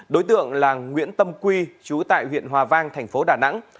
đối tượng là nguyễn tâm quy chú tại huyện hòa vang thành phố đà nẵng